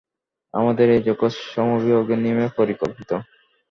আমাদের এই জগৎ শ্রমবিভাগের নিয়মে পরিকল্পিত।